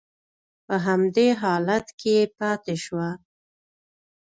په همدې حالت کې پاتې شوه.